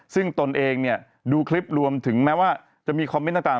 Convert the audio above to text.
ซึ่งตนเองเนี่ยดูคลิปรวมถึงแม้ว่าจะมีคอมเมนต์ต่าง